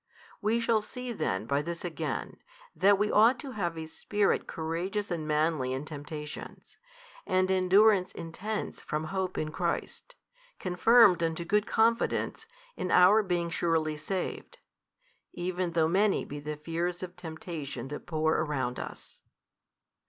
We shall see then by this again, that we ought to have a spirit courageous and manly in temptations, and endurance intense from hope in Christ, confirmed unto good confidence in our being surely saved, even though many be the fears of temptation that pour around us.